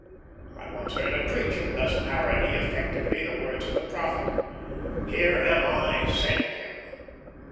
I once heard a preacher thus parody effectively the words of the prophet "Here am I, send him!"